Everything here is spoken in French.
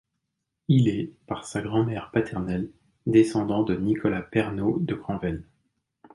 Il est, par sa grand-mère paternelle, descendant de Nicolas Perrenot de Granvelle.